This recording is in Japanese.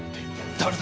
誰だ！